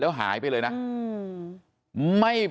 แล้วหายไปเลยนะ